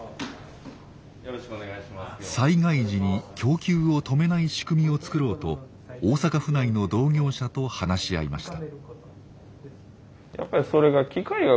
災害時に供給を止めない仕組みを作ろうと大阪府内の同業者と話し合いました。